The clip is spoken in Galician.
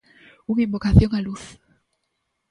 Unha invocación á luz.